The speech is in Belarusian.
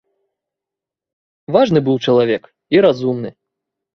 Важны быў чалавек і разумны.